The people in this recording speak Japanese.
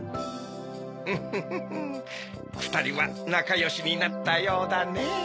ウフフふたりはなかよしになったようだねぇ。